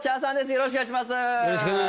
よろしくお願いします